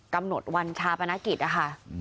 กำหนดวันชาปนกิจ